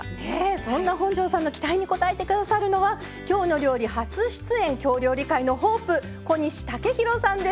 そんな本上さんの期待に応えてくださるのは「きょうの料理」初出演京料理界のホープ小西雄大さんです。